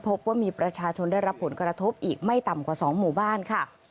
พบว่ามีประชาชนได้รับผลกระทบอีกไม่ต่ำกว่า๒หมู่บ้านค่ะ